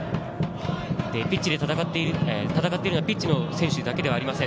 ピッチで戦っているのはピッチの選手だけではありません。